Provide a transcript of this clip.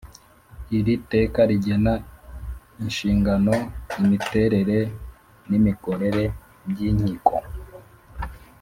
Iri teka rigena inshingano imiterere n’imikorere by’inkiko